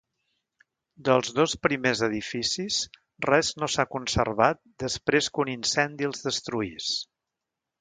Dels dos primers edificis res no s'ha conservat després que un incendi els destruís.